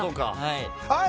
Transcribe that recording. はい！